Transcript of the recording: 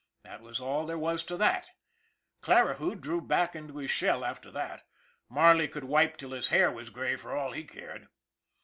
That was all there was to that. Clarihue drew back into his shell after that. Marley could wipe till his hair was gray for all he cared.